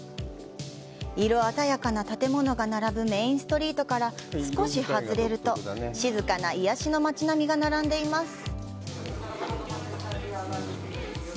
色鮮やかな建物が並ぶメインストリートから少し外れると静かな癒やしの街並みが並んでいます。